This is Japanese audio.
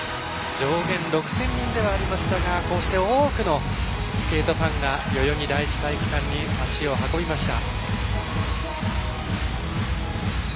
上限６０００人ではありましたがこうして多くのスケートファンが代々木第一体育館に足を運びました。